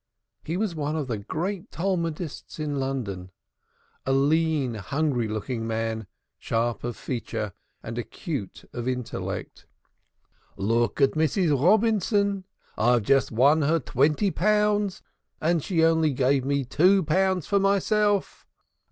He was one of the greatest Talmudists in London a lean, hungry looking man, sharp of feature and acute of intellect. "Look at Mrs. Robinson I've just won her over twenty pounds, and she only gave me two pounds for myself.